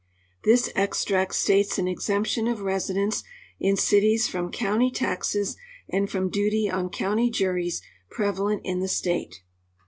This extract states an exemption of residents in cities from county taxes and from duty on county juries prevalent in the state.